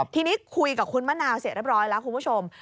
ทีนี้คุยกับคุณมะนาวเสร็จเรียบร้อยแล้วคุณผู้ชม